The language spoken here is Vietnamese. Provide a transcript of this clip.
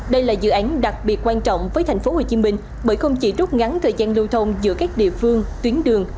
đây là dự án đặc biệt quan trọng với tp hcm bởi không chỉ rút ngắn thời gian lưu thông giữa các địa phương tuyến đường